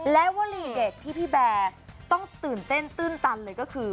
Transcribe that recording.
และวลีเด็ดที่พี่แบร์ต้องตื่นเต้นตื้นตันเลยก็คือ